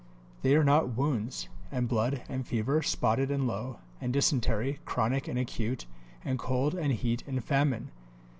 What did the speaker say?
They are not wounds, and blood, and fever, spotted and low, and dysentery, chronic and acute, and cold and heat and famine.